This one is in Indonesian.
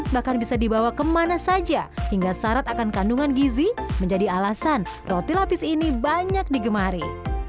bahkan bisa dibawa kemana saja hingga syarat akan kandungan gizi menjadi alasan roti lapis ini banyak digemari